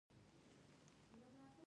کلي د افغانستان د اقلیم یوه ځانګړتیا ده.